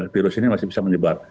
virus ini masih bisa menyebar